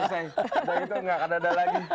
udah itu nggak ada ada lagi